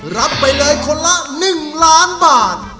รับไปเลยคนละ๑ล้านบาท